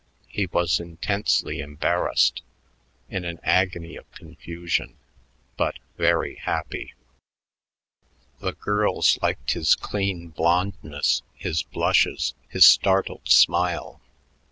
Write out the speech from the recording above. He was intensely embarrassed, in an agony of confusion but very happy. The girls liked his clean blondness, his blushes, his startled smile.